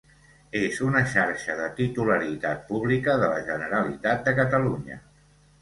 És una xarxa de titularitat pública de la Generalitat de Catalunya.